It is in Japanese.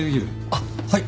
あっはい。